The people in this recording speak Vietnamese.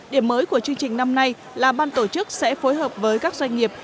điểm mới của chương trình năm nay là ban tổ chức sẽ phối hợp với các doanh nghiệp